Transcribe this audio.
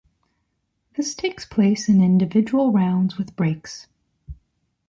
This takes place in individual rounds with breaks.